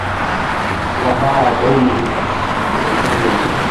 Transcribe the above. وەها دەور و پشتی تەنیون